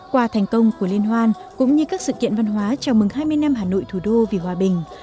qua thành công của liên hoan cũng như các sự kiện văn hóa chào mừng hai mươi năm hà nội thủ đô vì hòa bình